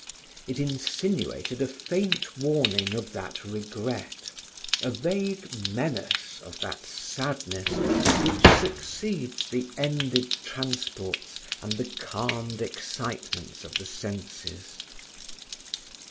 It insinuated a faint warning of that regret, a vague menace of that sadness which succeeds the ended transports and the calmed excitements of the senses.